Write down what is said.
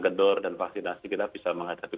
kedor dan vaksinasi kita bisa menghadapi